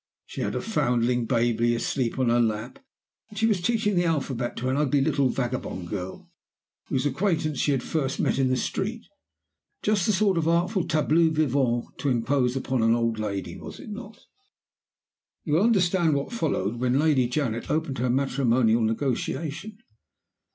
She had a foundling baby asleep on her lap; and she was teaching the alphabet to an ugly little vagabond girl whose acquaintance she had first made in the street. Just the sort of artful tableau vivant to impose on an old lady was it not? "You will understand what followed, when Lady Janet opened her matrimonial negotiation.